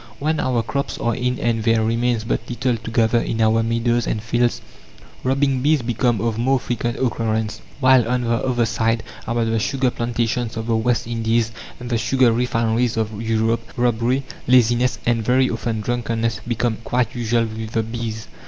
When our crops are in and there remains but little to gather in our meadows and fields, robbing bees become of more frequent occurrence; while, on the other side, about the sugar plantations of the West Indies and the sugar refineries of Europe, robbery, laziness, and very often drunkenness become quite usual with the bees.